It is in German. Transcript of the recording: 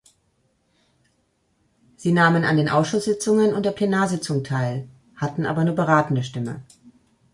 Sie nahmen an den Ausschusssitzungen und der Plenarsitzung teil, hatten aber nur beratende Stimme.